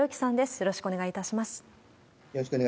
よろしくお願いします。